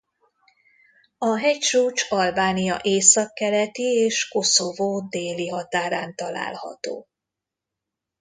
A hegycsúcs Albánia északkeleti és Koszovó déli határán található.